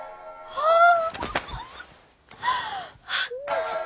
ああ！